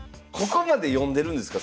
ここまで読んでるんですか？